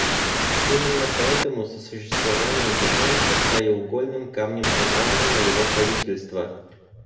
Именно поэтому сосуществование является краеугольным камнем программы моего правительства.